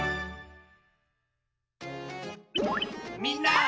みんな！